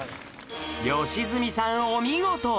良純さんお見事！